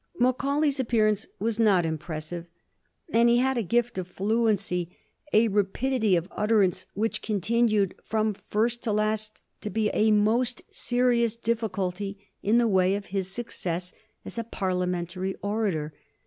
Macaulay's appearance was not impressive, and he had a gift of fluency, a rapidity of utterance which continued, from first to last, to be a most serious difficulty in the way of his success as a Parliamentary orator.